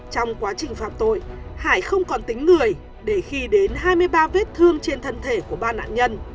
trong quá trình phạm tội hải không còn tính người để khi đến hai mươi ba vết thương trên thân thể của ba nạn nhân